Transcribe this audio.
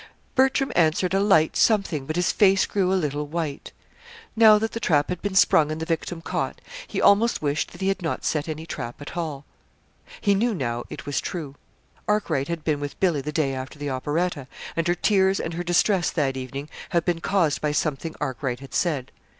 Bertram answered a light something, but his face grew a little white. Now that the trap had been sprung and the victim caught, he almost wished that he had not set any trap at all. He knew now it was true. Arkwright had been with Billy the day after the operetta, and her tears and her distress that evening had been caused by something Arkwright had said.